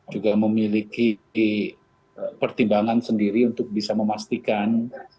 juga memiliki pertimbangan sendiri untuk bisa memastikan